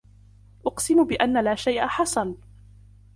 أُقسم بأنّ لا شيء حصل.